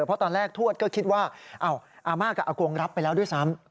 เพราะตอนแรกทวดก็คิดว่าอาม่ากับอากงรับไปแล้วด้วยซ้ำ